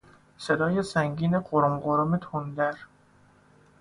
صدای سنگین غرم غرم تندر